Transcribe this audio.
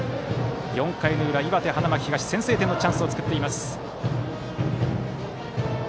４回の裏、岩手・花巻東は先制点のチャンスを作っています。